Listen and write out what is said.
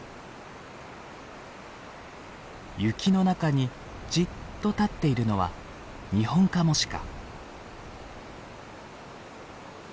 雪の中にじっと立っているのはニホンカモシカ。